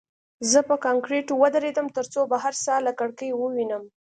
زه په کانکریټو ودرېدم ترڅو بهر ساحه له کړکۍ ووینم